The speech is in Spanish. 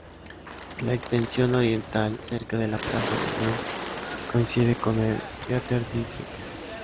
La extensión oriental, Cerca de Plaza de Unión, coincide con el Theater District.